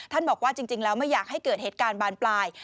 บอกว่าจริงแล้วไม่อยากให้เกิดเหตุการณ์บานปลาย